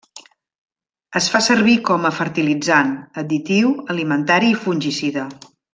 Es fa servir com a fertilitzant, additiu alimentari i fungicida.